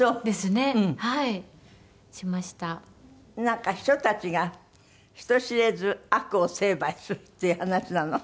なんか秘書たちが人知れず悪を成敗するっていう話なの？